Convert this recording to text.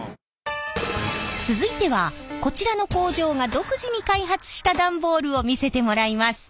続いてはこちらの工場が独自に開発した段ボールを見せてもらいます。